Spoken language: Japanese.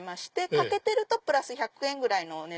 かけてるとプラス１００円ぐらいのお値段。